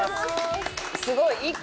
すごい！